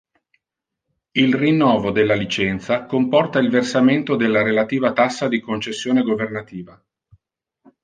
Il rinnovo della licenza comporta il versamento della relativa tassa di concessione governativa.